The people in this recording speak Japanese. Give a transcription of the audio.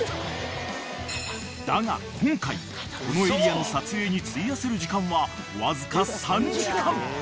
［だが今回このエリアの撮影に費やせる時間はわずか３時間］